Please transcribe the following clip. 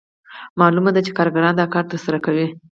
معلومه ده چې کارګران دا کار ترسره کوي